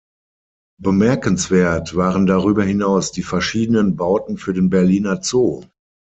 Bemerkenswert waren darüber hinaus die verschiedenen Bauten für den Berliner Zoo.